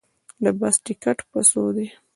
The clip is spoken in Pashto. د بس ټکټ په څو ده